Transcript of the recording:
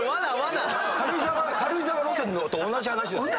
軽井沢路線と同じ話ですもんね。